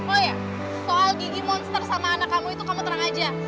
oh ya soal gigi monster sama anak kamu itu kamu terang aja